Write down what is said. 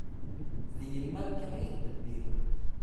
D yemma-m kan i d ddeb-im.